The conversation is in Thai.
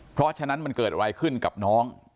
เพราะฉะนั้นมันเกิดอะไรขึ้นกับน้อง